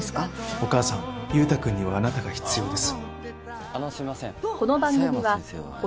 お母さん優太くんにはあなたが必要です。